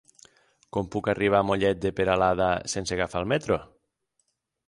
Com puc arribar a Mollet de Peralada sense agafar el metro?